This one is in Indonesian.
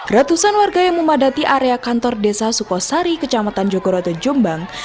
ratusan warga yang memadati area kantor desa sukosari kecamatan jogoroto jombang